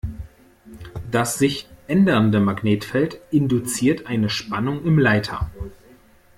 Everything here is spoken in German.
Das sich ändernde Magnetfeld induziert eine Spannung im Leiter.